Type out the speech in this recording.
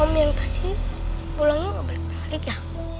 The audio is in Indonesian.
om yang tadi pulangnya balik balik ya